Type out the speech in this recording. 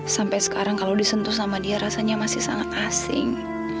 sampai sekarang kalau disentuh sama dia rasanya masih sangat asing